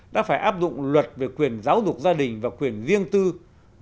đã phải áp dụng luật về quyền giáo dục gia đình và quyền riêng cho học sinh sinh viên